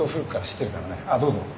あっどうぞ。